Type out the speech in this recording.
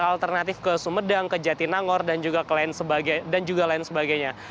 alternatif ke sumedang ke jatinangor dan juga lain sebagainya